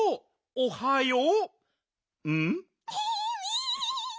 おはよう！